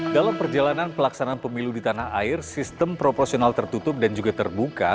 dalam perjalanan pelaksanaan pemilu di tanah air sistem proporsional tertutup dan juga terbuka